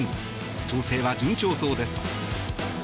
調整は順調そうです。